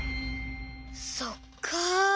そっか。